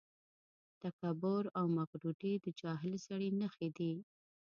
تکبر او مغروري د جاهل سړي نښې دي.